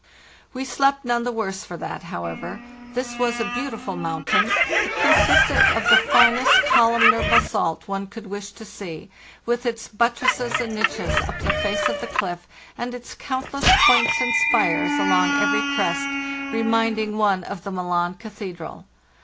We slept none the worse for that, however. This was a beautiful mountain. It consisted of the finest columnar basalt one could wish to see, with its buttresses and niches up the face of the cliff, and its countless points and spires along every crest, reminding one of Milan Cathedral.